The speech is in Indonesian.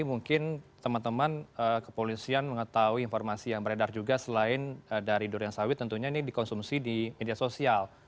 mungkin teman teman kepolisian mengetahui informasi yang beredar juga selain dari durian sawit tentunya ini dikonsumsi di media sosial